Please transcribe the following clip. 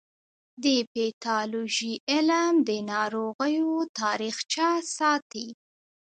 د پیتالوژي علم د ناروغیو تاریخچه ساتي.